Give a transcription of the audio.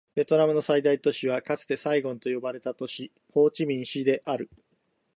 ベトナムの最大都市はかつてサイゴンと呼ばれた都市、ホーチミン市である